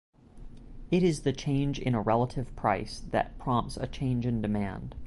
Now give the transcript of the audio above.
It is the change in a relative price that prompts a change in demand.